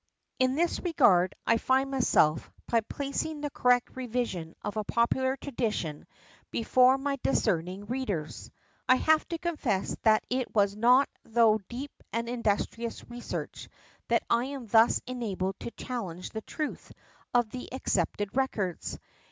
In this regard I find myself, by placing the correct revision of a popular tradition before my discerning readers. I have to confess that it was not thro' deep and industrious research, that I am thus enabled to challenge the truth, of the accepted records.